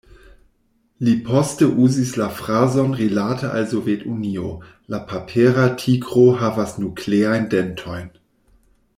Li poste uzis la frazon rilate al Sovetunio: la "papera tigro havas nukleajn dentojn".